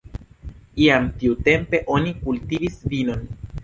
Jam tiutempe oni kultivis vinon.